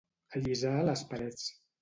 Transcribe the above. Allisar les parets.